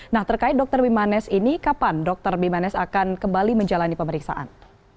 nah terkait dokter bimanes ini kapan dr bimanes akan kembali menjalani pemeriksaan